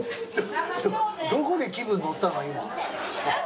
どこで気分乗ったの今。